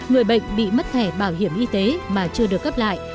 người bệnh bị mất thẻ bảo hiểm y tế mà chưa được cấp lại